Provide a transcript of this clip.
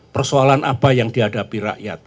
persoalan apa yang dihadapi rakyat